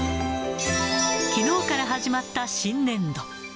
きのうから始まった新年度。